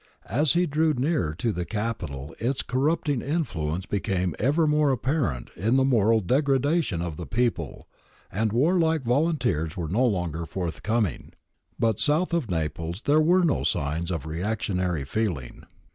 As he drew nearer to the capital its corrupting influence became ever more apparent in the moral degradation of the people, and warlike volunteers were no longer forthcoming. But south of Naples there were no signs of reactionary feeling.